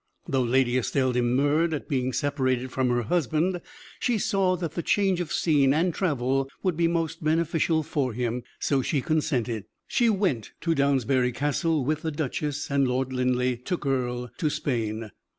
Though Lady Estelle demurred at being separated from her husband, she saw that the change of scene and travel would be most beneficial for him, so she consented. She went to Downsbury Castle with the duchess, and Lord Linleigh took Earle to Spain.